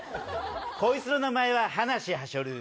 こいつの名前は話はしょる。